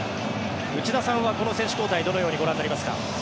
内田さんはこの選手交代どのようにご覧になりますか？